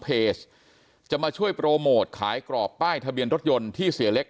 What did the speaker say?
เพจจะมาช่วยโปรโมทขายกรอบป้ายทะเบียนรถยนต์ที่เสียเล็ก